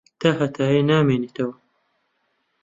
تاھەتایە نامێنێتەوە.